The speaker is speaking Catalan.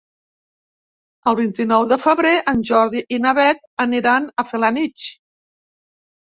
El vint-i-nou de febrer en Jordi i na Beth aniran a Felanitx.